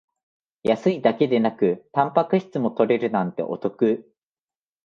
安いだけでなくタンパク質も取れるなんてお得